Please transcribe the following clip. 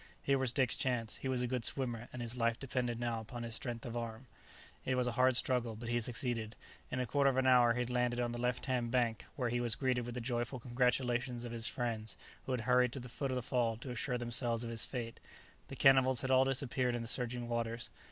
Here was Dick's chance, he was a good swimmer, and his life depended now upon his strength of arm. It was a hard struggle, but he succeeded. In a quarter of an hour he had landed on the left hand bank, where he was greeted with the joyful congratulations of his friends, who had hurried to the foot of the fall to assure themselves of his fate. [Illustration: The bullet shattered the rudder scull into fragments] The cannibals had all disappeared in the surging waters.